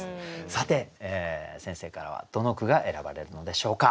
さて先生からはどの句が選ばれるのでしょうか。